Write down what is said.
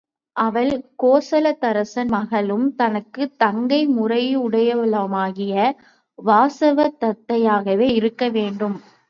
அவள் கோசலத்தரசன் மகளும், தனக்குத் தங்கை முறையுடையவளுமாகிய வாசவதத்தையாகவே இருக்க வேண்டும்!